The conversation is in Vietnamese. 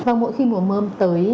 và mỗi khi mùa mơm tới